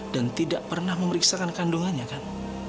dan tidak pernah memeriksakan kandungannya kan